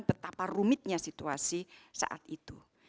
betapa rumitnya situasi saat itu